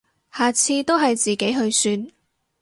下次都係自己去算